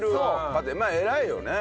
まあ偉いよね。